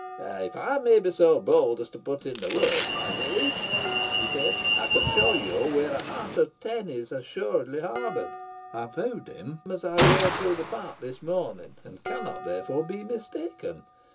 "If I may be so bold as to put in a word, my liege," he said, "I can show you where a hart of ten is assuredly harboured. I viewed him as I rode through the park this morning, and cannot, therefore, be mistaken.